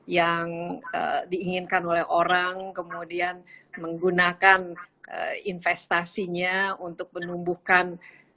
yang diinginkan oleh orang kemudian menggunakan investasinya untuk menumbuhkan